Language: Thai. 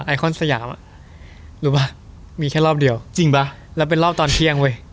คอนสยามอ่ะรู้ป่ะมีแค่รอบเดียวจริงป่ะแล้วเป็นรอบตอนเที่ยงเว้ย